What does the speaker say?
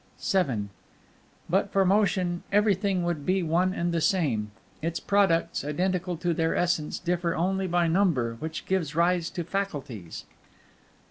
VII But for Motion, everything would be one and the same. Its products, identical in their essence, differ only by Number, which gives rise to faculties.